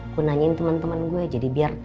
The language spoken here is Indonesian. gue nanyain temen temen gue jadi biar